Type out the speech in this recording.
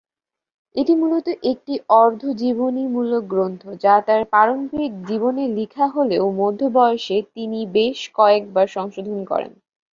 এটি মূলত একটি অর্ধ-জীবনীমূলক গ্রন্থ যা তার প্রারম্ভিক জীবনে লিখা হলেও মধ্য বয়সে তিনি বেশ কয়েকবার সংশোধন করেন।